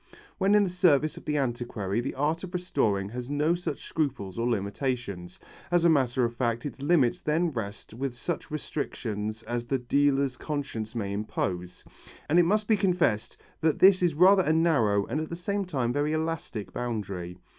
When in the service of the antiquary, the art of restoring has no such scruples or limitations. As a matter of fact its limits then rest with such restrictions as the dealer's conscience may impose, and it must be confessed that this is rather a narrow and at the same time very elastic boundary.